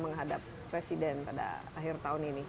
menghadap presiden pada akhir tahun ini